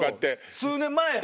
数年前や。